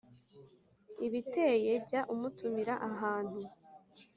ibiteye, jya umutumira ahantu